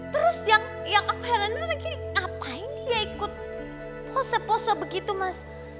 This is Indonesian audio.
terus yang aku herannya lagi ngapain dia ikut pose pose begitu mas